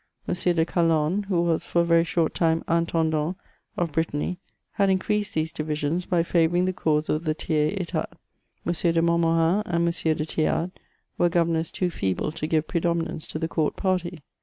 M. de Calonne, who was for a very short time intendant of Brit tany, had increased these divisions by favouring the cause of the tiers^etat, M. de Montmorin and M. de Thiaitl were governors too feeble to give predominance to the court party.